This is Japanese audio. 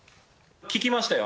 聞きましたよ